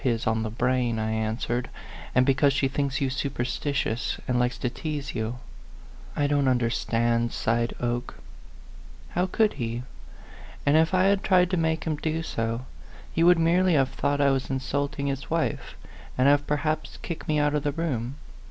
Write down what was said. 115 his on the brain," I answered ;" and be cause she thinks you superstitious, and likes to tease you." " I don't understand," sighed Oke. How could he? And if I had tried to make him do so, he would merely have thought I was insulting his wife, and have perhaps kicked me out of the room.